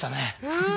うん！